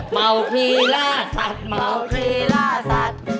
เมาคีราสัตว์เมาคีราสัตว์